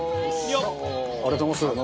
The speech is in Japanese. ありがとうございます。